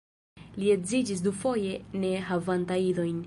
Li edziĝis dufoje ne havanta idojn.